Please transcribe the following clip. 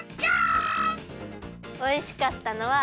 おいしかったのは。